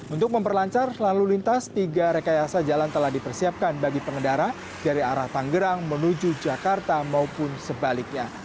untuk memperlancar lalu lintas tiga rekayasa jalan telah dipersiapkan bagi pengendara dari arah tanggerang menuju jakarta maupun sebaliknya